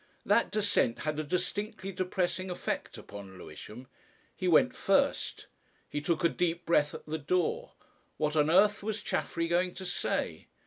That descent had a distinctly depressing effect upon Lewisham. He went first. He took a deep breath at the door. What on earth was Chaffery going to say?